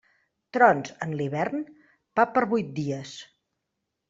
Trons en l'hivern, pa per vuit dies.